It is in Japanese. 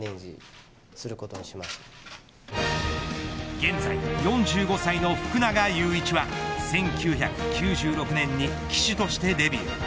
現在４５歳の福永祐一は１９９６年に騎手としてデビュー。